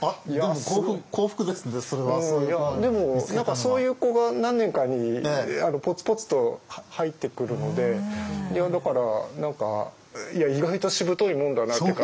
そういう子が何年かにぽつぽつと入ってくるのでだから何か意外としぶといもんだなっていうか。